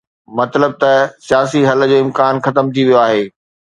مطلب ته سياسي حل جو امڪان ختم ٿي ويو آهي.